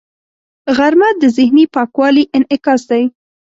غرمه د ذهني پاکوالي انعکاس دی